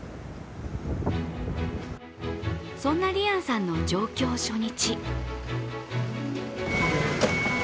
そんな莉杏さんの上京初日。